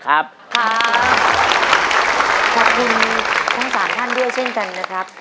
ขอบคุณทั้ง๓ท่านด้วยเช่นกันนะครับ